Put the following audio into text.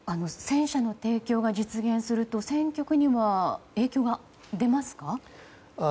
戦車の提供が実現すると戦局には影響が出ますか？